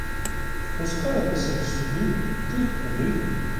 Впускають цих сюди, тих туди.